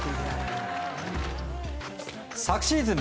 昨シーズン